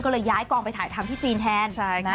ก็เลยย้ายกองไปถ่ายทำที่จีนแทน